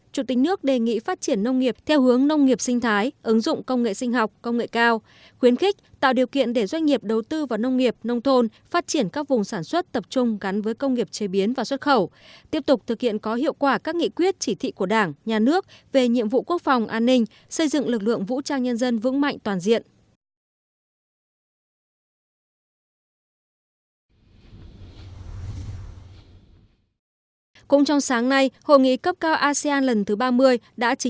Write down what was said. chủ tịch nước đề nghị tỉnh nghệ an cần tăng cường công tác quản lý nhà nước về xây dựng đất đài